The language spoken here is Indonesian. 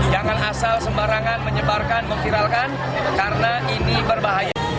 jangan asal sembarangan menyebarkan memviralkan karena ini berbahaya